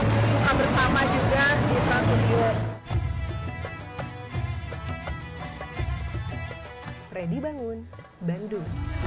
buka bersama juga di trans studio